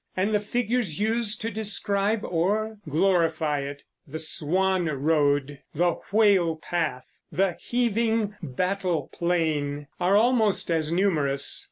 And the figures used to describe or glorify it "the swan road, the whale path, the heaving battle plain" are almost as numerous.